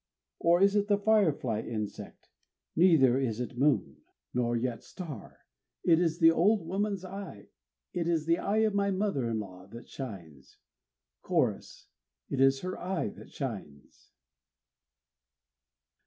or is it the firefly insect? Neither is it moon, Nor yet star; It is the old woman's Eye; it is the Eye of my mother in law that shines, (Chorus) _It is her Eye that shines!